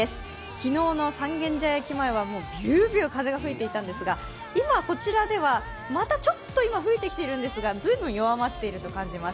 昨日の三軒茶屋駅前付近ではビュービュー風が吹いていたんですが今こちらでは、またちょっと吹いてきているんですが、随分弱まっていると感じます。